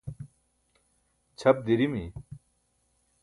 ćʰap dirimi